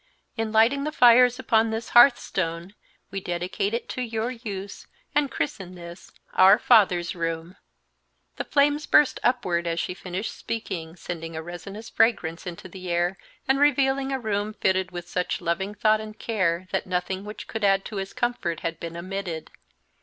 In lighting the fires upon this hearthstone, we dedicate it to your use and christen this 'our father's room.'" The flames burst upward as she finished speaking, sending a resinous fragrance into the air and revealing a room fitted with such loving thought and care that nothing which could add to his comfort had been omitted.